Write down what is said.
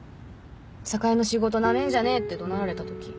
「酒屋の仕事ナメんじゃねえ」って怒鳴られた時。